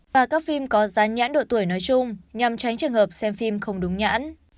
và các phim có rán nhãn độ tuổi nói chung nhằm tránh trường hợp xem phim không đúng nhãn